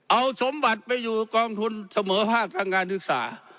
เอาสมบัติไปอยู่กองทุนเสมอภาคทางการศึกษา